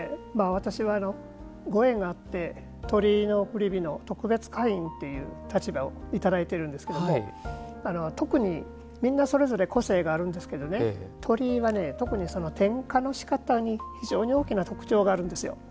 私はご縁があって鳥居の送り火の特別会員という立場をいただいているんですけれどもみんなそれぞれ個性があるんですけど鳥居は特に点火のしかたに非常に大きな特徴があるんですよ。